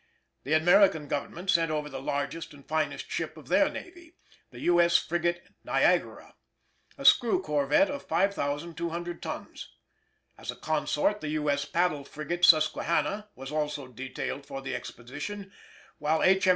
The American Government sent over the largest and finest ship of their navy, the U.S. frigate Niagara (Fig. 11), a screw corvette of 5,200 tons. As a consort, the U.S. paddle frigate Susquehanna was also detailed for the expedition, while H.